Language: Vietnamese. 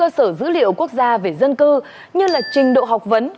với những cơ sở dữ liệu quốc gia về dân cư như là trình độ học vấn